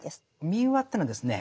民話ってのはですね